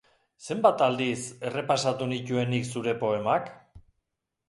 Zenbat aldiz errepasatu nituen nik zure poemak?